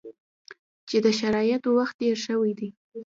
چې د شرایطو وخت تېر شوی دی.